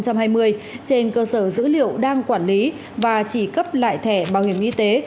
trên cơ sở dữ liệu đang quản lý và chỉ cấp lại thẻ bảo hiểm y tế